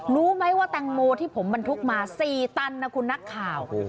รู้ไหมว่าแตงโมที่ผมบรรทุกมา๔ตันนะคุณนักข่าว